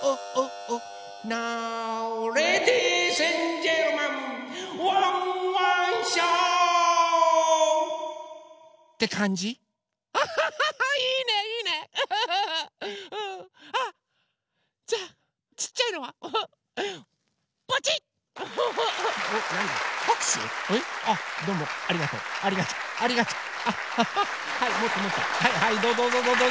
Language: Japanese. はいどうぞどうぞどうぞ！